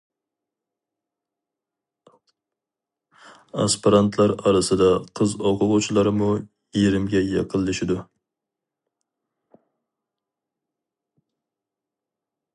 ئاسپىرانتلار ئارىسىدا قىز ئوقۇغۇچىلارمۇ يېرىمگە يېقىنلىشىدۇ.